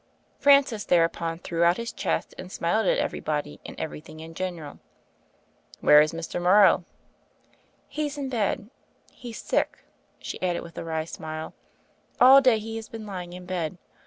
Francis thereupon threw out his chest and smiled at everybody and everything in general. "Where is Mr. Morrow?" "He's in bed. He's sick/' she added with a wry smile. "All day he has been lying in bed.